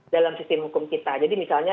dalam sistem hukum kita jadi misalnya